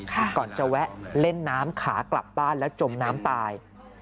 ก่อนจะแวะเล่นน้ำขากลับบ้านแล้วจมน้ำตาย